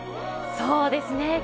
そうですね